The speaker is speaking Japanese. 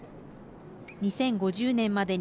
２０５０年までに